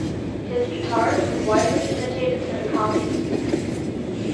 His guitars were widely imitated and copied.